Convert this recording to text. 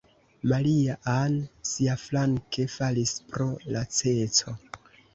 Maria-Ann, siaflanke, falis pro laceco.